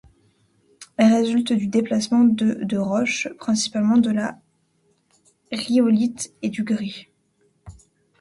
Elle résulte du déplacement de de roches, principalement de la rhyolite et du grès.